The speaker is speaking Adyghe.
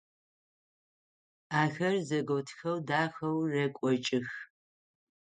Ахэр зэготхэу дахэу рекӏокӏых.